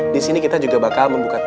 disini kita juga bakal membuka